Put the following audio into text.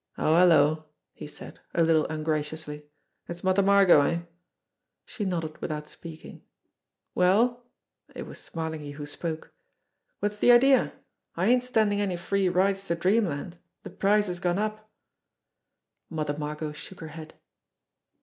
"Oh, hello!" he said, a little ungraciously. "It's Mother Margot, eh ?" She nodded without speaking. "Well?" It was Smarlinghue who spoke. "What's the idea? I ain't standing any free rides to dreamland the price has gone up." Mother Margot shook her head.